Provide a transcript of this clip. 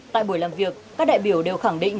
tại buổi làm việc các đại biểu đều khẳng định